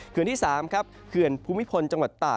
เขื่อนที่สามเขื่อนภูมิพลจังหวัดต่า